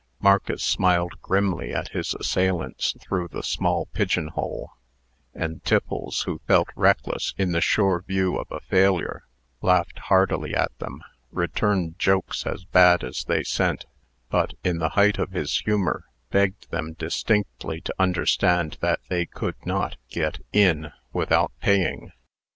Marcus smiled grimly at his assailants through the small pigeon hole; and Tiffles, who felt reckless in the sure view of a failure, laughed heartily at them, returned jokes as bad as they sent, but, in the height of his humor, begged them distinctly to understand that they could not get In without paying.